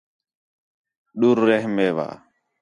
ڈور رہ میوا